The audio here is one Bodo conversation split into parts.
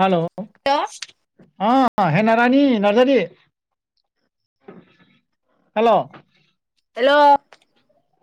हेल हेल' अ हेनारानि नार्जारि हेल हेल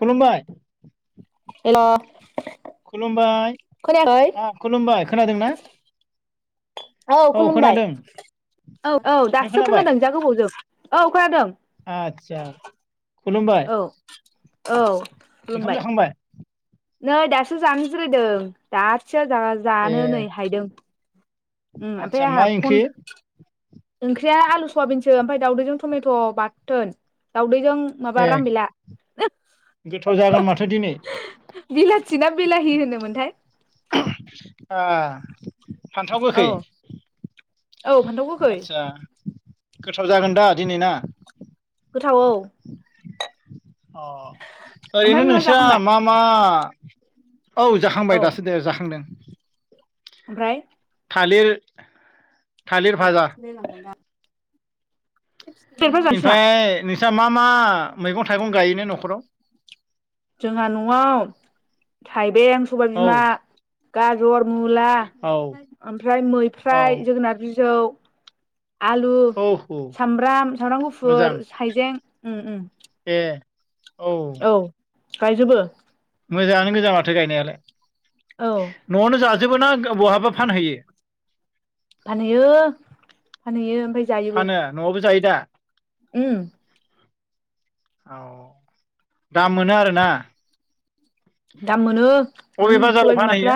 खुलुमबाय हेल' खुलुमबाय खोनायाखै अ खुलुमबाय खोनादोंना औ खुलुमबाय खोनादों नों औ औ दासो खोनाबाय खोनादों जा गोबावजों औ खोनादों आदसा खुलुमबाय औ औ ओंखाम खुलुमबाय जाखांबाय नै दासो जानोज्रायदों दासया ए जानो नै हायदों उम ओमफाय आदसा मा आंहा ओंख्रि ओंख्रिया आलु सवाबिनसो ओमफ्राय दावदैजों टमेट' बाथोन दावदै ज माबा ए राम बिला गोथाव जागोन माथो दिनै बिलाथि ना बिलाहि होनोमोनथाय आ फान्थाव औ गोखै औ फान्थाव गोखै आतसा गोथाव जागोन दा दिनै ना गोथाव औ अ ओमफ्राय ओरैनो नोंहा नोंस्रा जाखांबाय मा मा औ जाखांबाय औ दासो दे जाखांदों ओमफ्राय थालिर थालिर भाजा बा जानोसै ना ओमफ्राय नोंस्रा मा मा मैगं थाइगं गायोना नखराव जोंहा नआव थाइबें सबाइ औ बिमा गाजर मुला औ ओमफ्राय औ मैफ्राय जोगोनार बिजौ आलु औ औ सामब्राम सामब्राम मोजां गुफुर हाइजें उम उम ए औ गायजोबो मोजाङानो गोजा माथो गायनायालाय औ नआवनो जा जोबोना बहाबा फानहैयो फानहैयो फानहैयो जायोबो फानो नआवबो जायो दा उम औ दाम मोनो आरो ना दाम मोनो उम सबाइ फानहैयो बिमाफ्रा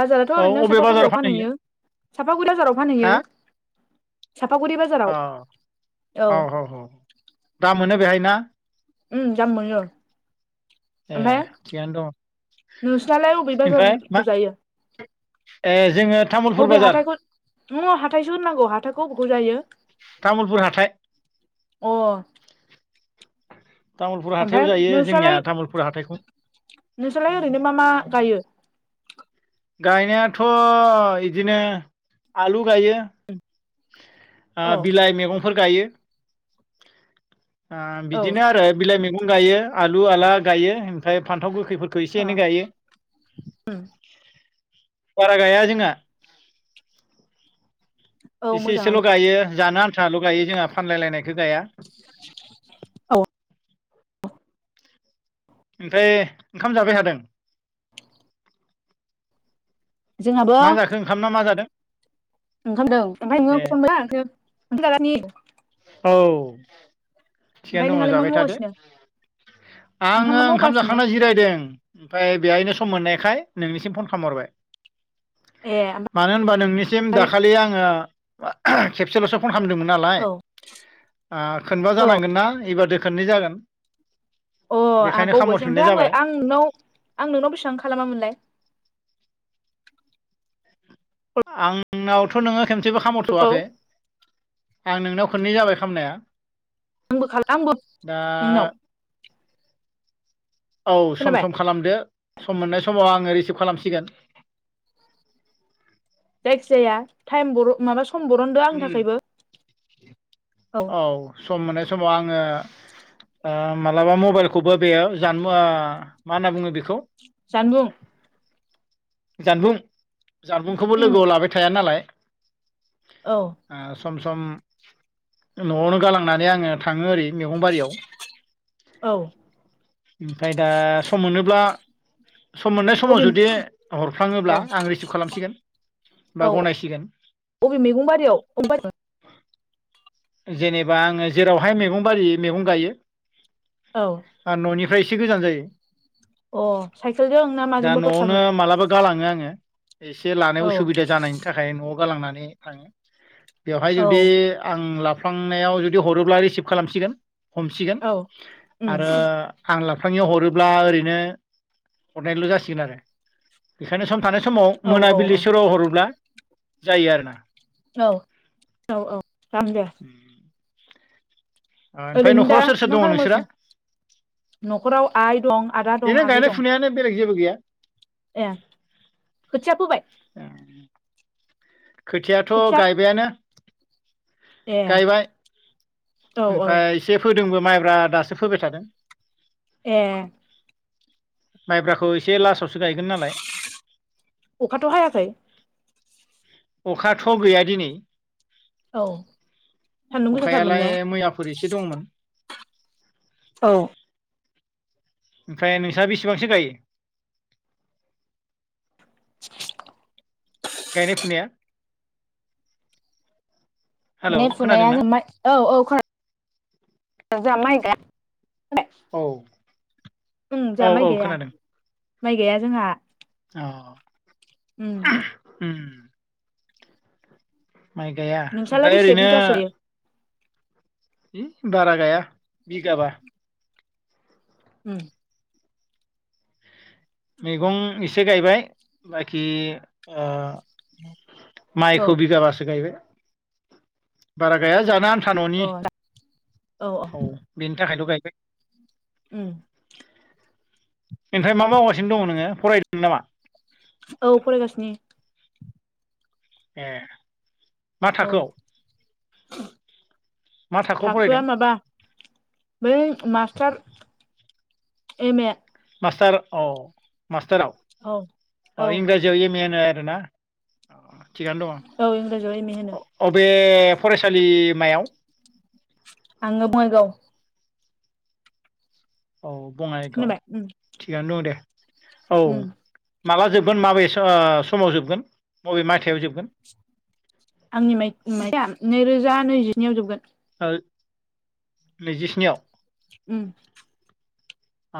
बाजाराथ औ ओरैनो अबे बाजाराव साफागुरियाव फानहैयो साफागुरि बाजाराव फानहैयो सापागुरि बाजाराव औ [unintelligible] दा मोनो बेहाय ना उ जामु मोनो। ए ओमफाय थिगानो दङ नोंस्रालाय अबे ओमफ्राय मा बाजारखौ जायो। ए जोङो तामुलपुर बाजार। नङा हाथाइसो होनांगौ हाथाखौबख' जायो। तामुलपुर हाथाय। अ तामुलपुर हाथायाव ओमफाय जायो जोंनिया नोंस्रालाय तामुलपुर हाथायखौ नोंस्रालाय ओरैनो मा मा गायो। गायनायाथ' इदिनो आलु गायो। ओ औ बिलाइ मेगंफोर गायो। आ औ बिदिनो आरो बिलाइ मैगं गायो आलु आला गायो ओमफ्राय फान्थाव गोख खैफोरखौ एसे एनै गायो। उम बारा गाया जोंना। औ इसे इसेल' मोजाङानो गायो जानो आन्थाल' गायो जोंहा फानलाय लायनायखो गाया। औ ओमफाय ओंखाम जाबाय थादों। मा जाखो ओंखामना मा जादों ओंखामदों ए [unintelligible] औ। थिगानो दङ' नोंहालाय मा जाबाय थादो मावगासिनो नोंहा आङो मा ओंखाम मावगासिनो जाखांना जिरायदों। ओमफाय बेहायनो सम मोननायखाय नोंनिसिम फन खामहरबाय। ए मानो होनबा नोंनिसिम ओमफ्राय दाखालि आङो खेबसेल'सो फन खामदोंमोन नालाय औ आ खोनबा औ जानांगोन ना एबारदो खोननै जागोन। अ आङा बेखायनो बावबायसो खामहरफिननाय ओमफाय जाबाय आंलाय आं नोंनाव आं नोंनाव बेसिबां खालामामोनलाय [inaudible] आंनावथ' नोङो खेमसेबो कलखौ खामरथ'वाखै। आं नोंनाव खोननै जाबाय खामनाया। आंबो खाला आंबो दा नोंनाव। औ सम खोनाबाय सम खालामदो सम मोननाय समाव आङो रिसिभ खालामसिगोन। जायखि जाया थाइम बर' माबा सु सम बरनदो आंनि उम थाखायबो औ सम मोननाय समाव आङो ओ मालाबा मबाइलखौबो बेयाव जानमो ओ मा होनना बुङो बेखौ जानबुं जानबुं जानबुंखोबो उम लोगोआव लाबाय थाया नालाय औ ओ सम सम न'आवनो गालांनानै आङो थाङो ओरै मेगंबारियाव। औ ओमफ्राय दा सम मोनोब्ला सम मोननाय समाव अबे जुदि औ हरफ्लाङोब्ला आं रिसिभ खालामसिगोन। बा औ गनायसिगोन। अबे मेगं बारियाव [unintelligible] जेनेबा आङो जेरावहाय मेगं बारि मेगं गायो औ ओ न'नि फ्राय एसे गोजान जायो। अ साइकेलजों ना दा माजोंबाफोर न'आवनो थाङो मालाबा गालाङो आङो एसे लानाय औ उसुबिदा जानायनि थाखाय न'आव गालांनानै थाङो। बेवहाय औ जुदि आं लाब नायाव जुदि हरोब्ला रिसिभ खालामसिगोन हमसिगोन औ उम आरो आं लाब फ्लाङिआव हरोब्ला ओरैनो हरनायल' जासिगोन आरो बेखायनो सम थानाय समाव औ औ मोनाबिलि सोराव हरोब्ला जायो आरोना। औ औ औ [unintelligible] ओमफ्राय ओरैनो न'खराव दा सोर सोर मा दङ नोंसोरा खालामगासिनो न'खराव आइ दं आदा दं ओरैनो आगै गायनाय दं फुनायानो बेलेग जेबो गैया ए खोथिया फोबाय खोथियाथ' खोथिया गायबायानो ए गायबाय औ औ ओमफ्राय एसे फो दोंबो माइब्रा दासो फोबाय थादों ए माइब्राखौ एसे लासाव अखाथ' हायाखै अखाथ' गैया दिनै औ सान्दुं गोसाथारमोन ने अखायालाय मैयाफोर एसे दंमोन औ ओमफ्राय नोंसा बेसेबांसो गायो? गायनाय फुनाया [inaudible] हेलौ गायनाय फुनाया खोनादोंना जोंबाइ औ औ खोनादों जोंहा माइ गाया औ उम औ जोंहा माइ औ गाया खोनादों। माइ गाया जोंहा अ' उम ओहम म माइ गाया नोंस्रालाय ओमफ्राय बेसे ओरैनो बिगासो गायो बारा गाया बिगाबा उम मैगं एसे गायबाय बाखि ओ औ माइखौ बिगाबासो गायबाय बारा गाया जानो आन था न'नि अ औ औ बेनि थाखायल' गायदों। उम ओनफ्राय मा मावगासिनो दङ नोङो फरायदों नामा? औ फरायगासिनो ए मा औ थाखोआव मा [inaudible] थाखोआव फरायदों थाखोआ माबा बै मास्टार एम ए मास्टार औ मास्टाराव औ औ इंराजियाव एम ए दोना थिगानो औ इंराजियाव एम ए होनो दङ औ बे बे फरायसालिमायाव आङो बङाइगाव औ बङाइगाव खोनाबाय उम थिगानो दं दे औ उम माला जोबगोन माबे सो ओ समाव जोबगोन बबे मायथायाव जोबगोन? आंनि माइ माइया नैरोजा नैजिनैआव जोबगोन [inaudible] नैजिस्निआव उम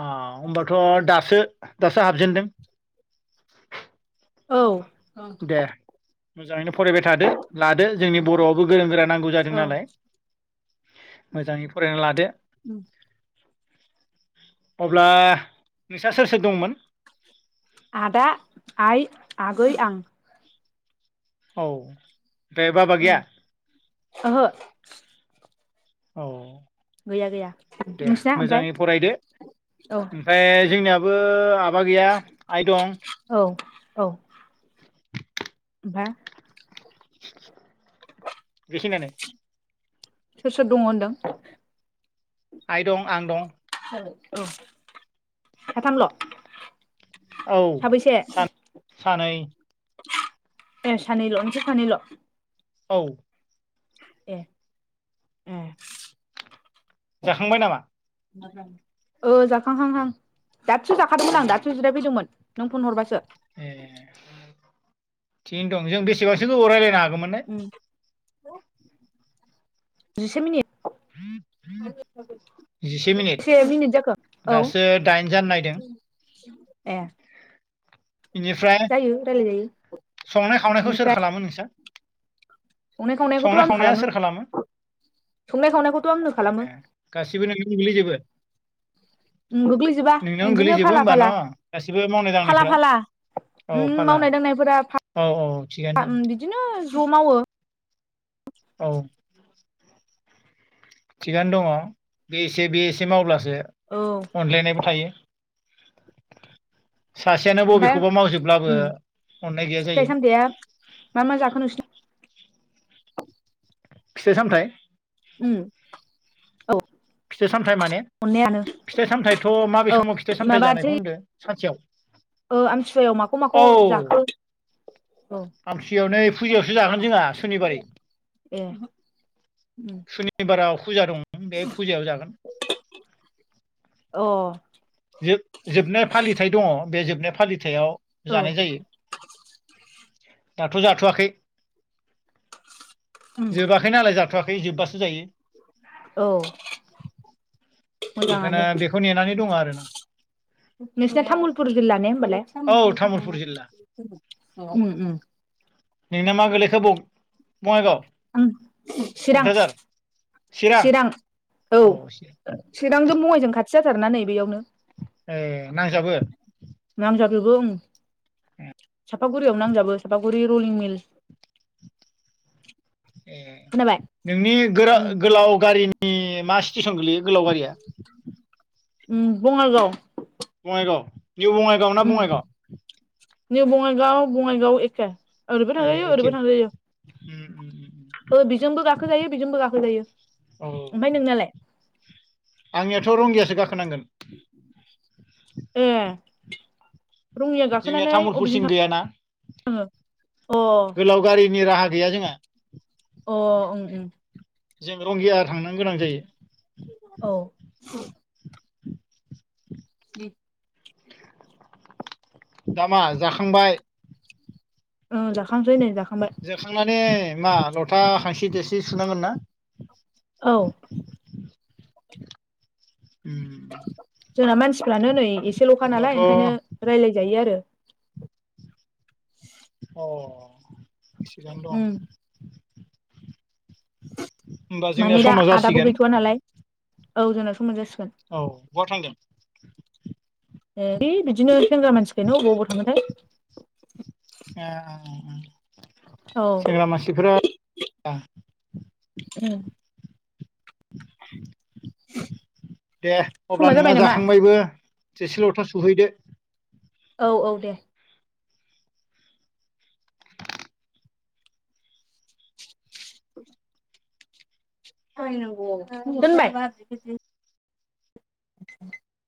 अ होमबाथ' दासो दासो हाबजेनदों औ दे मोजाङैनो फरायबाय थादो लादो जोंनि बर'आवबो गोरों गोरा नांगौ जादों औ नालाय ओह मोजाङै फरायना लादो उम अब्ला नोंसा सोर सोर दंमोन? गै आं औ बाबा ओं गैया ओहो औ गैया गैया दे नोंसिना मोजाङै ओमफ्राय फरायदो औ ओमफ्राय जोंनिया बो आबा गैया आइ दं औ औ हा बेखिनियानो सोर सोर दङ होनदों? आइ दं आं दं [inaudible] ओ साथाम ल औ सा सानै ए सानैल' नोंसोर सानैल? औ। ए उम। जाखांबाय नामा? ओ जाखांहांहां दासो जाखादोंमोन आं उम दासो जिराय फैदोंमोन। नों फन हरबासो ए थिगैनो दं जों बेसेबांसो गोबाव रायलायनो हागौमोनलाय? उम जिसे मिनिट। [inaudible] जिसे मिनिट बेसे जाखो औ दासो दाइनजानो नायदों ए बेनिफ्राय जायो रायलायजायो संनाय खावनायखौ सोर बेनिफ्राय खालामो नोंसा संनाय खावनायखौथ' संनाय आं खावनाया सोर खालामो संनाय खावनायखौथ' आंनो खालामो ए गाससिबो नों गोग्लैजोबो गोग्लैजोबा नोंनावनो बिदिनो गोलैजोबो फाला होमबा न फाला गासिबो मावनाय फाला दांनायफोरा फाला फा औ उम फाला मावनाय दांनायफोरा औ औ फा थिगानो दं बिदिनो ज मावो औ थिगानो दङ बे एसे बे एसे मावब्लासो औ अनज्लायनायबो थायो सासेयानो ओमफ्राय बबेखौबा मावजोबब्लाबो उम अननाय गैया फिथाइ जायो सामथाइया मा मा जाखोन नोंसिना फिथाइ सामथायाइ उम औ फिथाइ सामथायाइ माने अननायानो फिथाइ सामथायाइथ' माबे औ समाव फिथाइ सामथायाइ जानायखौ माबासै होनदों सानसेयाव ओ आमथि सिुवायाव माखौ माखौ जाखो? औ आमथिसुयाव नै फुजायावसो जागोन जोंहा सुनिबारै। ए उम सनिबाराव फुजा दं बे फुजायाव जागोन अ जो जोबनाय फालिथायाइ दङ बे जोबनाय फालिथायाव औ जानाय जायो दाथ' जाथ'वाखै उम जोबाखै नालाय जा जाथ'वाखै जोबबासो जायो औ मोजाङानो बेखायनो बेखौ नेनानै दङ आरो नोंसिना तामुलपुर जिल्ला ने होमबालाय औ तामुलपुर जिल्ला [unintelligible] नोंना मा गोलैखो बुं बङाइगाव आं चिरां क'क्राझार चिरां औ चिरांजों बङाइजों खाथि जाथारना नै बेयावनो ए नांजाबो नांजाजोबो ओं सापागुरियाव नांजाबो सापागुरि रलिं मिल [inaudible] ए खोनाबाय नोंनि उम गोराव गोलाव गारिनि मासि स्टेसन गोलैयो गोलाव गारिया? उम बङाइगाव बङाइगाव निउ बङाइगाव ना उम बङाइगाव? निउ बङाइगाव बङाइगाव एखे ओरैबो ए थांजायो एखे ओरैबो उम उम उम थांजायो। बिजोंबो गाखोजायो बेजोंबो गाखोजायो। औ ओमफ्राय नोंनालाय? आंनियाथ' रंगियासो गाखोनांगोन। ए रङिया जोंनिया गाखोनानै तामुलपुरसिम अबेजों थां गैयाना गोलाव गारिनि राहा गैया जोंहा। अ ओं ओं जों रंगिया थांनो गोनां जायो। औ [inaudible] दा मा जाखांबाय? ओं जाखांसै नै जाखांबाय। जाखांनानै मा लथा हांसि देरसि सुनांगोन ना? औ उम जोंना मानसिफ्रानो नै एसेल'खा अब्लाथ' नालाय ओंखायनो रायलायजायो आरो। अ थिगानो दं। उम होमबा जोंनिया माने दा समा आदाबो जासिगोन गैथ'वा नालाय औ जोंना समा जासि औ बहा थांदों? है बिदिनो सेंग्रा मानसिखायनो अबाव अबाव थाङोथाय। ए ए ए औ सेंग्रा मानसिफोरा उ दे समा अब्ला जाबाय नोंहा नामा जाखांबायबो थोरसि ल'था सुहैदो। औ औ दे। [inaudible] [unintelligible] [inaudible]